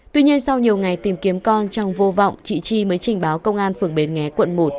tuy nhiên sau nhiều ngày tìm kiếm con trong vô vọng chị chi mới trình báo công an phường bến nghé quận một